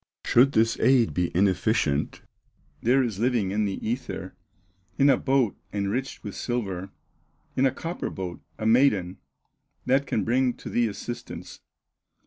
"Should this aid be inefficient, There is living in the ether, In a boat enriched with silver, In a copper boat, a maiden, That can bring to thee assistance.